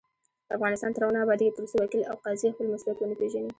افغانستان تر هغو نه ابادیږي، ترڅو وکیل او قاضي خپل مسؤلیت ونه پیژني.